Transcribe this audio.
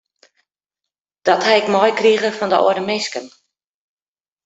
Dat ha ik meikrige fan de âlde minsken.